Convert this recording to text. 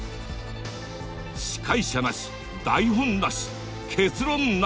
司会者なし台本なし結論なし。